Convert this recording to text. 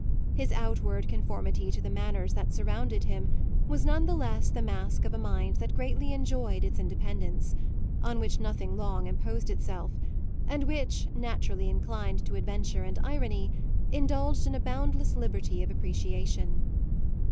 His outward conformity to the manners that surrounded him was none the less the mask of a mind that greatly enjoyed its independence, on which nothing long imposed itself, and which, naturally inclined to adventure and irony, indulged in a boundless liberty of appreciation.